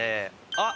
あっ！